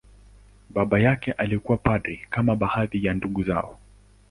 Baba yake alikuwa padri, kama baadhi ya ndugu zao.